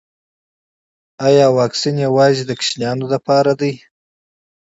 ایا واکسین یوازې د ماشومانو لپاره دی